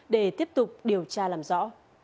để tiếp tục điều tra làm rõ